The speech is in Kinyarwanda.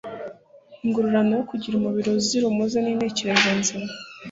ingororano yo kugira umubiri uzira umuze nintekerezo nzima